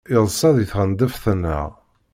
Yeḍsa deg tɣendeft-nneɣ.